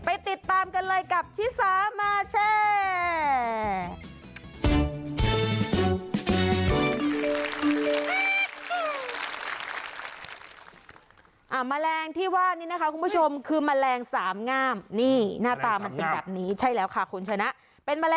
ติดตามกันเลยกับชิสามาแชร์